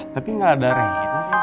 tapi gak ada reina